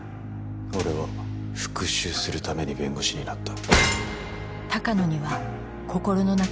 俺は復讐するために弁護士になった。